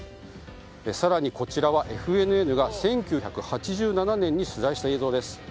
更に、こちらはＦＮＮが１９８７年に取材した映像です。